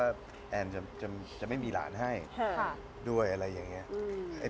แอนจะไม่มีหลานให้ด้วยอะไรอย่างนี้